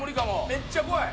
めっちゃ怖い。